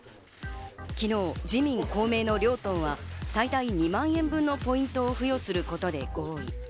昨日、自民・公明の両党は最大２万円分のポイントを付与することで合意。